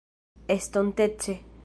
estontece